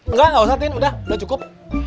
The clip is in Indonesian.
enggak enggak usah tin udah udah cukup